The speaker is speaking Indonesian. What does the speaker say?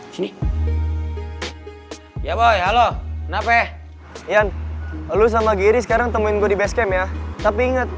sini ya boy halo kenapa ya ian lu sama geri sekarang temuin gue di basecamp ya tapi inget